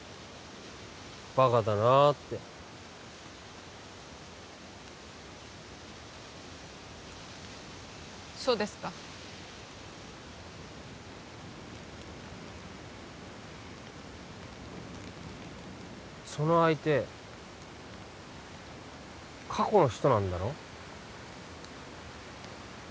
バカだなあってそうですかその相手過去の人なんだろ？